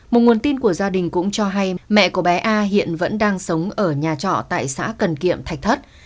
một nguồn tin của gia đình cũng cho hay mẹ của bé a hiện vẫn đang sống ở nhà trọ tại xã cần kiệm thạch thất